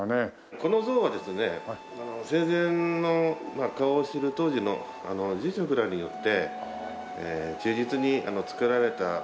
この像はですね生前の顔を知る当時の住職らによって忠実に作られたものといわれております。